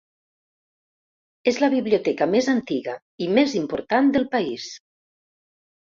És la biblioteca més antiga i més important del país.